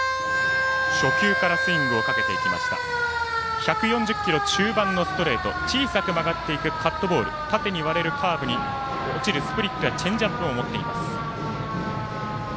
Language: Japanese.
１４０キロ中盤のストレート小さく曲がっていくカットボール縦に割れるカーブに落ちるスプリットやチェンジアップも持っています。